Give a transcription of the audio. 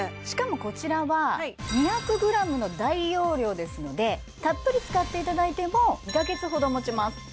しかもこちらは２００ｇの大容量ですのでたっぷり使っていただいても２カ月ほどもちます